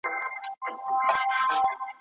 سیاست پوهنه یو رښتيني علم دی.